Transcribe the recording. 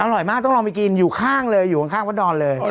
อร่อยมากต้องลองไปกินอยู่ข้างเลยอยู่ข้างวัดดอนเลย